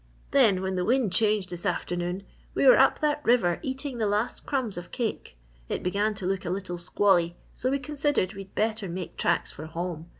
"Then when the wind changed this afternoon, we were up that river eating the last crumbs of cake. It began to look a little squally so we considered we'd better make tracks for home.